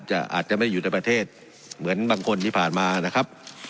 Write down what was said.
อาจจะไม่ได้อยู่ในประเทศเหมือนบางคนที่ผ่านมานะครับ